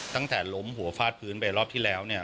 ตั้งแต่ล้มหัวฟาดพื้นไปรอบที่แล้วเนี่ย